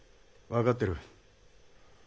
分かってる。